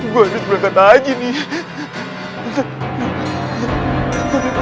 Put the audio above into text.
gue harus berangkat haji be